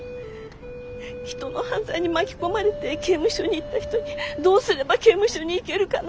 人の犯罪に巻き込まれて刑務所に行った人にどうすれば刑務所に行けるかなんて。